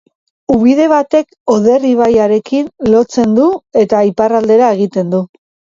Ubide batek Oder ibaiarekin lotzen du eta iparraldera egiten du.